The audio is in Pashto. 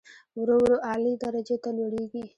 ورو ورو اعلی درجو ته لوړېږي.